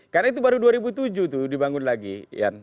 karena itu baru dua ribu tujuh tuh dibangun lagi ian